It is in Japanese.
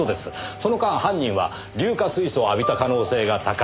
その間犯人は硫化水素を浴びた可能性が高い。